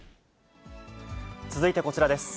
続いてこちらです。